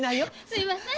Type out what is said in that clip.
すみません。